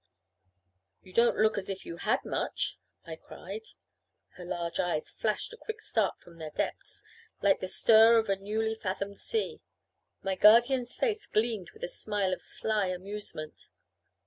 "You don't look as if you had much," I cried. Her large eyes flashed a quick start from their depths, like the stir of a newly fathomed sea. My guardian's face gleamed with a smile of sly amusement.